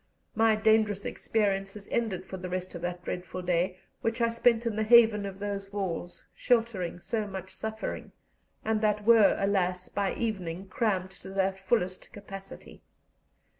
My dangerous experiences ended for the rest of that dreadful day, which I spent in the haven of those walls, sheltering so much suffering, and that were, alas! by evening crammed to their fullest capacity.